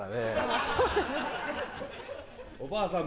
おばあさん